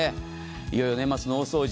いよいよ年末の大掃除。